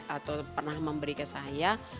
atau pernah memberi ke saya